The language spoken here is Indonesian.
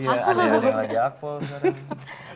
iya ada yang lagi akpol sekarang